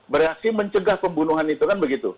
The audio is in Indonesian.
bereaksi mencegah pembunuhan itu kan begitu